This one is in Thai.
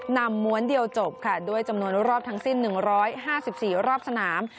ม้วนเดียวจบค่ะด้วยจำนวนรอบทั้งสิ้น๑๕๔รอบสนาม